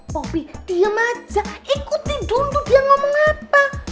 popi diam aja ikuti dulu dia ngomong apa